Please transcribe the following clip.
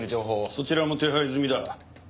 そちらも手配済みだ。